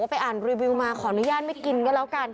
ไปอ่านรีวิวมาขออนุญาตไม่กินก็แล้วกัน